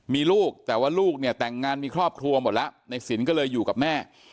มีลูกแต่ว่าลูกเนี่ยแต่งงานมีครอบครัวหมดแล้วในสินก็เลยอยู่กับแม่